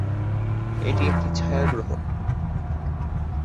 এটি একটি ছায়া গ্রহ।